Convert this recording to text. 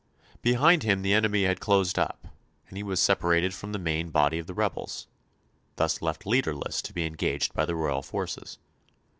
Behind him the enemy had closed up, and he was separated from the main body of the rebels, thus left leaderless to be engaged by the royal forces.